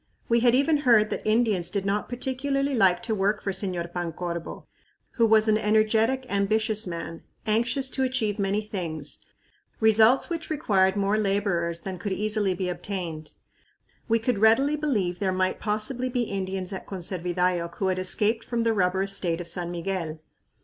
We had even heard that Indians did not particularly like to work for Señor Pancorbo, who was an energetic, ambitious man, anxious to achieve many things, results which required more laborers than could easily be obtained. We could readily believe there might possibly be Indians at Conservidayoc who had escaped from the rubber estate of San Miguel.